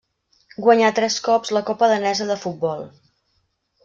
Guanyà tres cops la copa danesa de futbol.